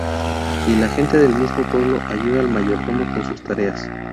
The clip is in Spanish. Y la gente del mismo pueblo ayuda al mayordomo con sus tareas.